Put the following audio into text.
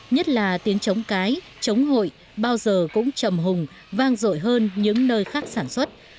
nhất là tiếng chống cái chống hội bao giờ cũng trầm hùng vang rội hơn những nơi khác sản xuất